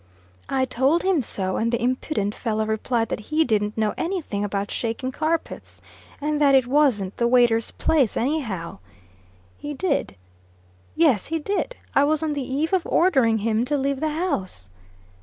I told him so, and the impudent follow replied that he didn't know any thing about shaking carpets; and that it wasn't the waiter's place, any how." "He did?" "Yes, he did. I was on the eve of ordering him to leave the house."